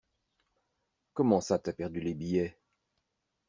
Comment ça t'as perdu les billets?